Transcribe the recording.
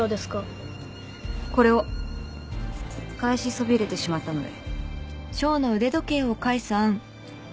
これを返しそびれてしまったので。